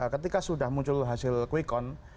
ketika sudah muncul hasil quickon